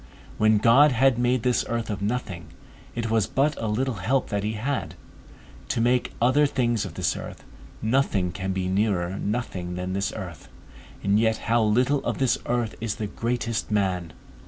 When God had made this earth of nothing, it was but a little help that he had, to make other things of this earth: nothing can be nearer nothing than this earth; and yet how little of this earth is the greatest man!